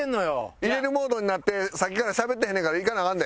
入れるモードになってさっきからしゃべってへんねんからいかなアカンで。